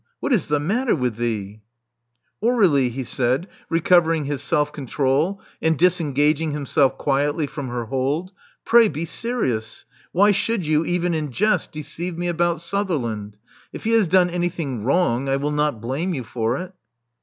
What is the matter with thee?" Aurelie!" he said, recovering his self control, and discnj^aging himself quietly from her hold; pray be serious. Why should you, even in jest, deceive me about vSutherland? If he has done anything wrong, I will not blame you for it."